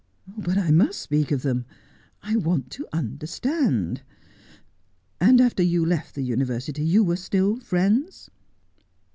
' But I must speak of them. I want to understand. And after you left the University you were still friends